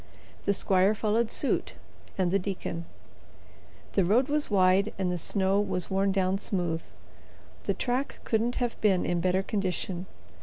The squire followed suit and the deacon. The road was wide and the snow was worn down smooth. The track couldn't have been in better condition.